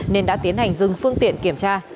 nên đã tiến hành dừng phương tiện kiểm tra